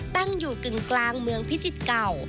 ตั้งอยู่กึ่งกลางเมืองพิจิตรเก่า